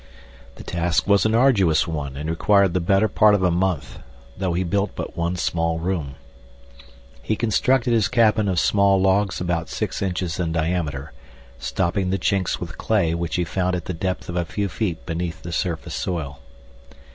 The task was an arduous one and required the better part of a month, though he built but one small room. He constructed his cabin of small logs about six inches in diameter, stopping the chinks with clay which he found at the depth of a few feet beneath the surface soil.